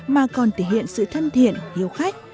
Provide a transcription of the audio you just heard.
mà còn thể hiện sự thân thiện hiếu khách